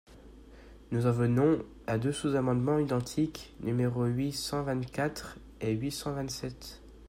Nous en venons à deux sous-amendements identiques, numéros huit cent vingt-quatre et huit cent vingt-sept.